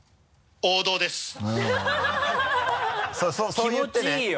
そう言ってね。